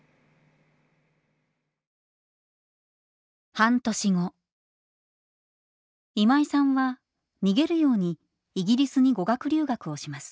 半年後今井さんは逃げるようにイギリスに語学留学をします。